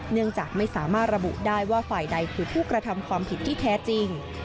เนื่องจากไม่สามารถระบุได้ว่าฝ่ายใดคือผู้กระทำความผิดที่แท้จริง